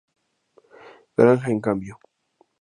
Granja en cambio.